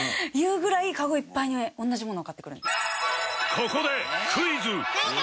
ここで